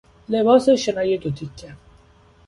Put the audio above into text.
لباس شنای دو تکه